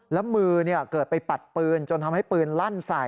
แล้วมือเกิดไปปัดปืนจนทำให้ปืนลั่นใส่